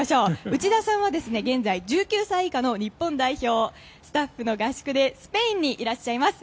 内田さんは現在１９歳以下の日本代表、スタッフの合宿でスペインにいらっしゃいます。